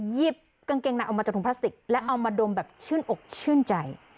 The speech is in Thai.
หยิบกางเกงในออกมาจากถุงพลาสติกแล้วเอามาดมแบบชื่นอกชื่นใจ